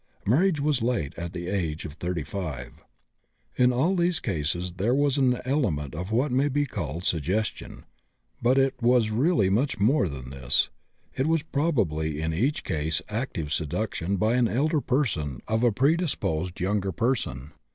Marriage was late, at age of 35. In all these cases there was an element of what may be called suggestion, but it was really much more than this; it was probably in each case active seduction by an elder person of a predisposed younger person.